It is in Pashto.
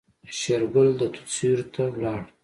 شېرګل د توت سيوري ته ولاړ.